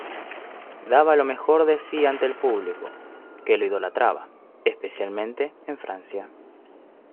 Daba lo mejor de sí ante el público, que lo idolatraba, especialmente en Francia.